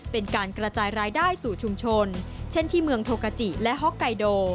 เป็นการกระจายรายได้สู่ชุมชนเช่นที่เมืองโทกาจิและฮอกไกโด